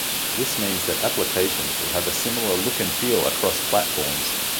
This means that applications will have a similar look and feel across platforms.